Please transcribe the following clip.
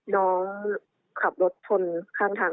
น้องรู้จักคนนี้ใช้ไหม